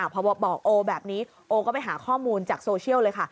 พอบอกโอแบบนี้โอก็ไปหาข้อมูลจากโซเชียลเลยค่ะ